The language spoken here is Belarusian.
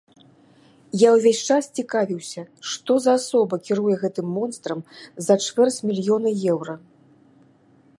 Я ўвесь час цікавіўся, што за асоба кіруе гэтым монстрам за чвэрць мільёна еўра.